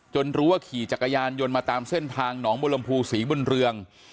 รู้ว่าขี่จักรยานยนต์มาตามเส้นทางหนองบุรมภูศรีบุญเรือง